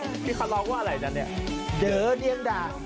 สวัสดีครับ